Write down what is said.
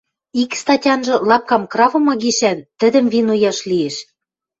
Ик статянжы, лапкам кравымы гишӓн тӹдӹм винуяш лиэш!